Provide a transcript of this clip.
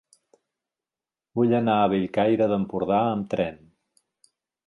Vull anar a Bellcaire d'Empordà amb tren.